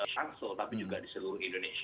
tangsel tapi juga di seluruh indonesia